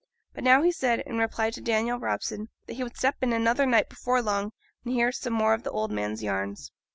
But now he said, in reply to Daniel Robson, that he would step in another night before long and hear some more of the old man's yarns.